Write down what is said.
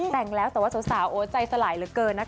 แต่งแล้วแต่ว่าสาวโอ้ใจสลายเหลือเกินนะคะ